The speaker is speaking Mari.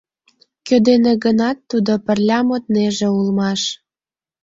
— Кӧ дене гынат тудо пырля моднеже улмаш.